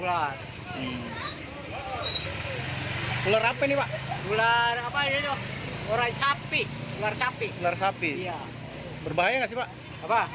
ular ular apa nih pak ular apa itu orang sapi luar sapi luar sapi ya berbahaya